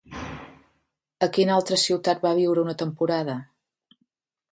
A quina altra ciutat va viure una temporada?